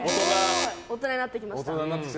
大人になってきました。